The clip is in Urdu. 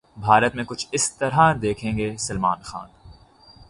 بھارت 'میں کچھ اس طرح دکھیں گے سلمان خان'